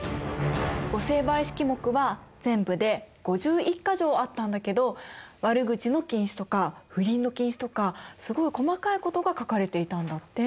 御成敗式目は全部で５１か条あったんだけど悪口の禁止とか不倫の禁止とかすごい細かいことが書かれていたんだって。